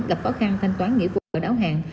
gặp khó khăn thanh toán nghĩa của cửa đáo hàng